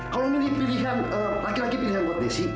kalau ini pilihan laki laki pilihan buat desi